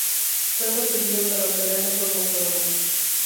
Fue concebido para operar de forma autónoma.